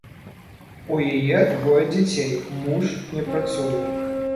У яе двое дзяцей, муж не працуе.